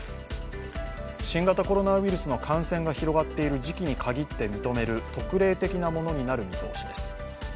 新型コロナウイルスの感染が広がっている時期にかぎって認める特例的なものになる見通しです。